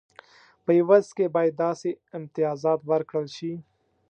په عوض کې باید داسې امتیازات ورکړل شي.